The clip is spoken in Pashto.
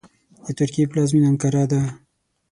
د ترکیې پلازمېنه انکارا ده .